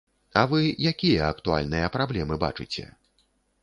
А вы якія актуальныя праблемы бачыце?